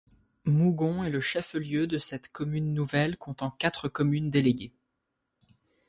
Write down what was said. Mougon est le chef-lieu de cette commune nouvelle comptant quatre communes déléguées.